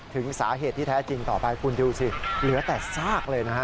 ถึงสาเหตุที่แท้จริงต่อไปคุณดูสิเหลือแต่ซากเลยนะฮะ